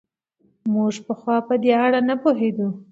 موږ پخوا په دې اړه نه پوهېدو.